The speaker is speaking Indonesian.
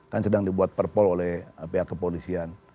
kan sedang dibuat perpol oleh pihak kepolisian